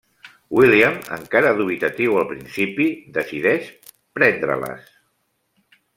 William, encara dubitatiu al principi, decideix prendre-les.